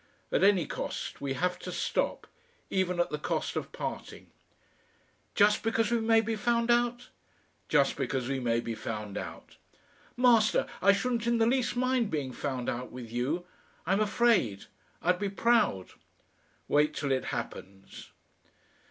At any cost we have to stop even at the cost of parting." "Just because we may be found out!" "Just because we may be found out." "Master, I shouldn't in the least mind being found out with you. I'm afraid I'd be proud." "Wait till it happens."